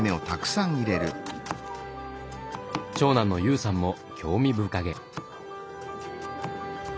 長男の悠さんも興味深げ。